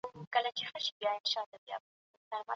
کمپيوټر تاوان ښيي.